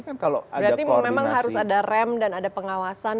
berarti memang harus ada rem dan ada pengawasan